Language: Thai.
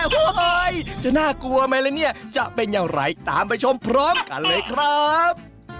โอ้โหจะน่ากลัวไหมล่ะเนี่ยจะเป็นอย่างไรตามไปชมพร้อมกันเลยครับ